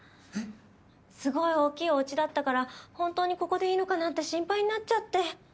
すごい大きいお家だったから本当にここでいいのかなって心配になっちゃって。